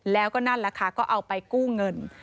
แล้วก็นั่นแหละค่ะก็เอาไปกู้เงิน